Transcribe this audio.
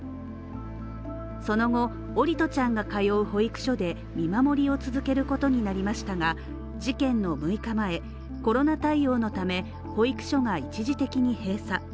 その後、桜利斗ちゃんが通う保育所で見守りを続けることになりましたが事件の６日前、コロナ対応のため、保育所が一時的に閉鎖。